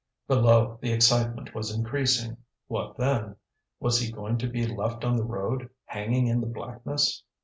Below, the excitement was increasing. What then? Was he going to be left on the road, hanging in the blackness?